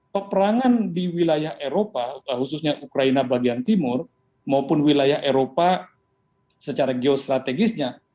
peperangan di wilayah eropa khususnya ukraina bagian timur maupun wilayah eropa secara geostrategisnya